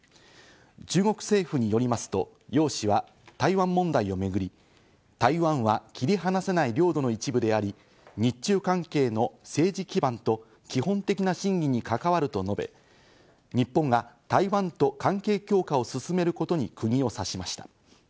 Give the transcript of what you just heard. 中国政府によりますと、ヨウ氏は台湾問題をめぐり台湾は切り離せない領土の一部であり、日中関係の政治基盤と基本的な審議に関わると述べ、日本が台湾と関係強化を進めることにくぎを刺しました。